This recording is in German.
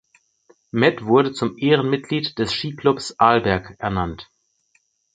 Matt wurde zum Ehrenmitglied des Ski-Clubs Arlberg ernannt.